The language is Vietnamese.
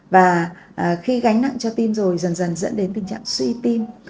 và khi gánh nặng cho tim rồi dần dần dẫn đến tình trạng suy tim